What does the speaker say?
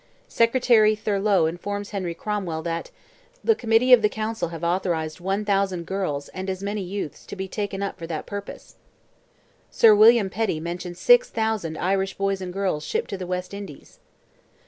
Secretary Thurloe informs Henry Cromwell that "the Committee of the Council have authorized 1,000 girls and as many youths, to be taken up for that purpose." Sir William Petty mentions 6,000 Irish boys and girls shipped to the West Indies.